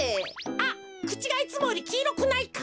あっくちがいつもよりきいろくないか？